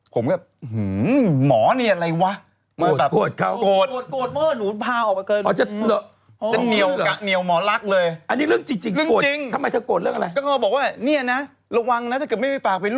ผมก็หมอนี่อะไรวะ